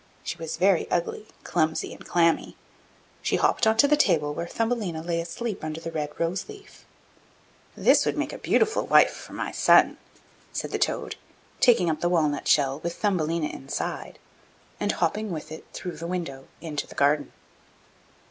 She was very ugly, clumsy, and clammy; she hopped on to the table where Thumbelina lay asleep under the red rose leaf. 'This would make a beautiful wife for my son,' said the toad, taking up the walnut shell, with Thumbelina inside, and hopping with it through the window into the garden.